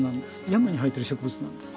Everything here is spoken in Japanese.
山に生えてる植物なんです。